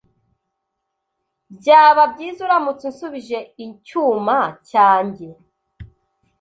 Byaba byiza uramutse unsubije icyuma cyanjye.